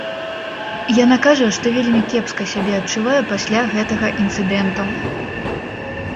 Яна кажа, што вельмі кепска сябе адчувае пасля гэтага інцыдэнту.